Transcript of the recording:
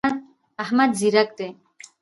احمد ځیرک دی.